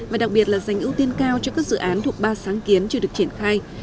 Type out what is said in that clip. và đặc biệt là dành ưu tiên cao cho các dự án thuộc ba sáng kiến chưa được triển khai